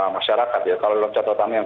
masyarakat ya kalau dalam catatan yang